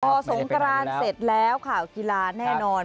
พอสงกรานเสร็จแล้วข่าวกีฬาแน่นอน